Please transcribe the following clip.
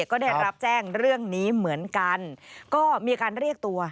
ก็ได้รับแจ้งเรื่องนี้เหมือนกันก็มีการเรียกตัว